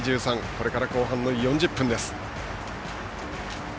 これから後半の４０分です。